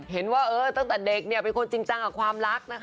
เห็นว่าตั้งแต่เด็กเป็นคนจริงจังกับความรักนะคะ